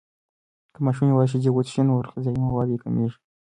که ماشوم یوازې شیدې وڅښي، نور غذایي مواد یې کمیږي.